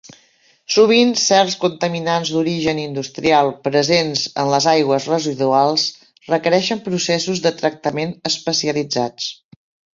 Sovint certs contaminants d'origen industrial presents en les aigües residuals requereixen processos de tractament especialitzats.